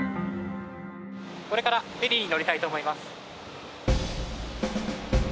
これからフェリーに乗りたいと思います。